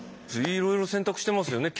いろいろ選択してますよね。